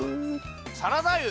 サラダ油。